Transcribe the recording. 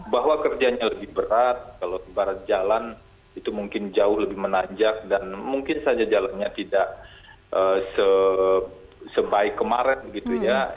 bahwa kerjanya lebih berat kalau ibarat jalan itu mungkin jauh lebih menanjak dan mungkin saja jalannya tidak sebaik kemarin gitu ya